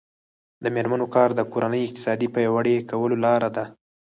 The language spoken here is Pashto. د میرمنو کار د کورنۍ اقتصاد پیاوړی کولو لاره ده.